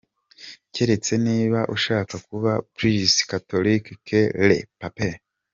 Keretse niba ushaka kuba plus catholique que le pape!.